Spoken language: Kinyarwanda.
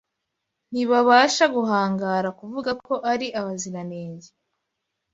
ntibabasha guhangara kuvuga ko ari abaziranenge